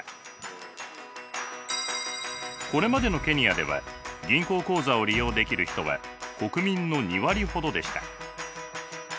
これまでのケニアでは銀行口座を利用できる人は国民の２割ほどでした。